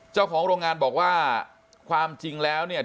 เจ้าของโรงงานบอกว่าความจริงแล้วเนี่ย